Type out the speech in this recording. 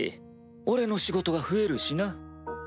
俺の仕事が増えるしな。